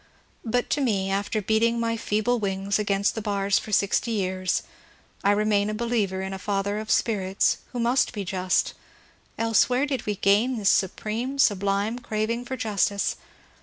But to me, after beating my feeble wings against the bars for sixty years, I remain a believer in a Father of Spirits who must be just, else where did we g^ this su preme sublime craving for justice